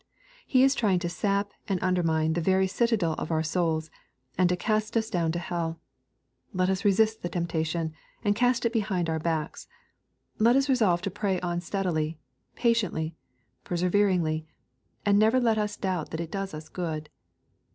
He is trying to sap and undermine the very citadel of our souls, and tcTcast us down to hell. Let as resist the temptation, and cast it behind our backs. Let us resolve to pray on steadily, patiently, per&ever ingly, and let us never doubt that it does us good.